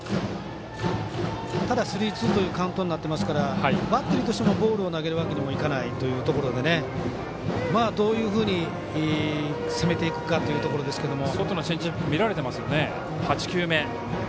ただ、スリーツーというカウントになってますからバッテリーとしてもボールを投げるわけにもいかないという中どういうふうに攻めていくかというところですけれども。